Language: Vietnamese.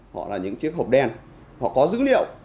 họ là những chiếc hộp đen họ có dữ liệu